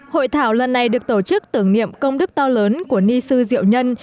hội thảo lần này được tổ chức tưởng niệm công đức to lớn của ni sư diệu nhân